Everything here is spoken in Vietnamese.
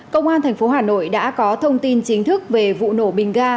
công an tp hcm đã có thông tin chính thức về vụ nổ bình ga